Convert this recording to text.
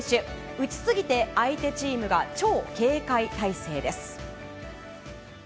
打ちすぎて相手チームが超警戒態勢です。